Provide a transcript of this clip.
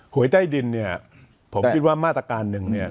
หวยใต้ดินเนี่ยผมคิดว่ามาตรการหนึ่งเนี่ย